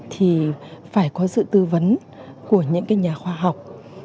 thì phải có sự tư vấn của những nhà khoa học